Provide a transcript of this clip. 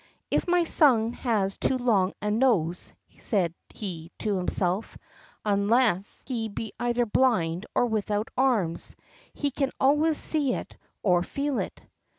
"If my son has too long a nose," said he to himself, "unless he be either blind or without arms, he can always see it or feel it."